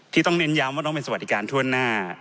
ต้องเน้นย้ำว่าต้องเป็นสวัสดิการทั่วหน้า